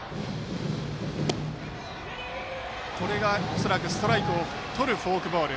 今のが恐らくストライクをとるフォークボール。